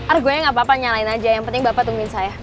argonya enggak apa apa nyalain aja yang penting bapak tungguin saya